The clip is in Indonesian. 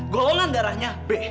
golongan darahnya b